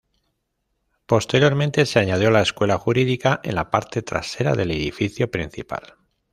Posteriormente se añadió la Escuela Jurídica, en la parte trasera del edificio principal.